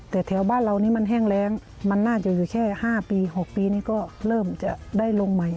แต่แถวบ้านเรานี่มันแห้งแรงมันน่าจะอยู่แค่๕ปี๖ปีนี้ก็เริ่มจะได้ลงใหม่